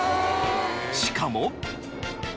しかも。